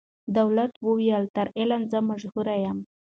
دولت وویل تر علم زه مشهور یم